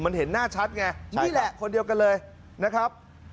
มันเห็นหน้าชัดไงนี่แหละคนเดียวกันเลยนะครับ